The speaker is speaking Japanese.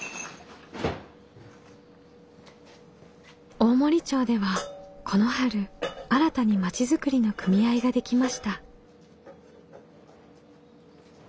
大森町ではこの春新たに町づくりの組合ができました。